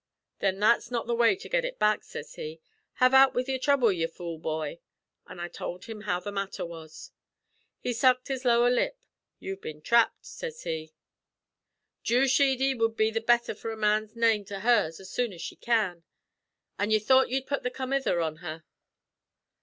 'Then that's not the way to get ut back,' sez he. 'Have out wid your throuble, ye fool bhoy.' An' I tould him how the matther was. "He sucked his lower lip. 'You've been thrapped,' sez he. 'Ju Sheehy wud be the betther for a man's name to hers as soon as she can. An' ye thought ye'd put the comether on her.